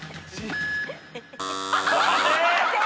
残念！